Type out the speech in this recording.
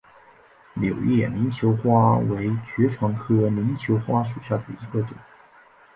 柳叶鳞球花为爵床科鳞球花属下的一个种。